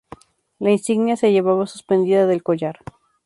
La insignia se llevaba suspendida del collar.